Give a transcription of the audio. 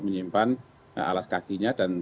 menyimpan alas kakinya dan